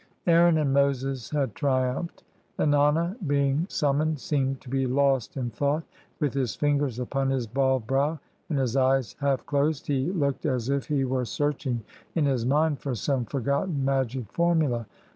Aaron and Moses had triumphed; Ennana, being summoned, seemed to be lost in thought. \Mth his fingers upon his bald brow and his eyes half closed, he looked as if he were searching in his mind for some forgotten magic formula.